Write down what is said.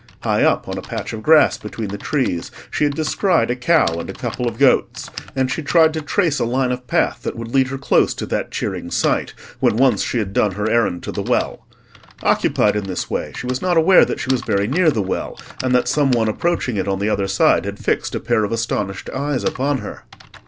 High up, on a patch of grass between the trees, she had descried a cow and a couple of goats, and she tried to trace a line of path that would lead her close to that cheering sight, when once she had done her errand to the well. Occupied in this way, she was not aware that she was very near the well, and that some one approaching it on the other side had fixed a pair of astonished eyes upon her.